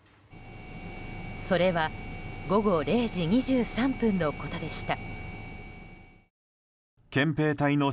それは午後０時２３分のことでした。